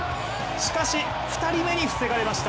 しかし、２人目に防がれました。